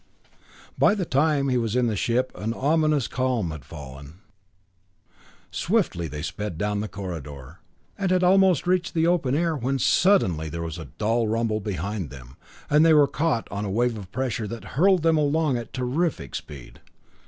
By the time he was in the ship an ominous calm had fallen. Swiftly they sped down the corridor, and had almost reached the open air, when suddenly there was a dull rumble behind them, and they were caught on a wave of pressure that hurled them along at terrific speed.